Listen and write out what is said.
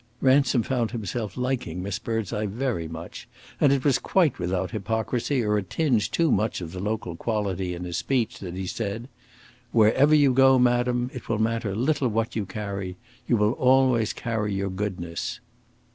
Ransom found himself liking Miss Birdseye very much, and it was quite without hypocrisy or a tinge too much of the local quality in his speech that he said: "Wherever you go, madam, it will matter little what you carry. You will always carry your goodness."